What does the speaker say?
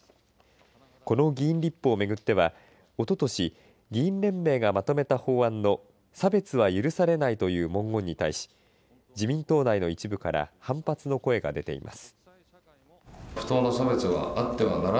この議員立法を巡ってはおととし議員連盟がまとめた法案の差別は許されないという文言に対し自民党内の一部から反発の声が出ています。